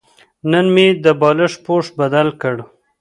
نن مې د بالښت پوښ بدل کړ.